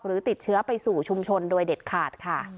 หรือติดเชื้อไปสู่ชุมชนโดยเด็ดขาดค่ะ